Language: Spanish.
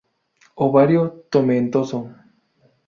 Ovario tomentoso.